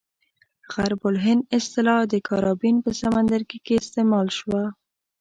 غرب الهند اصطلاح د کاربین په سمندرګي کې استعمال شوه.